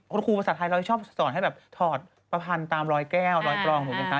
คุณครูภาษาไทยเราจะชอบสอนให้แบบถอดประพันธ์ตามรอยแก้วรอยกรองถูกไหมคะ